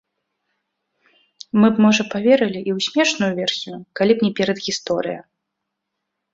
Мы б, можа, паверылі і ў смешную версію, калі б не перадгісторыя.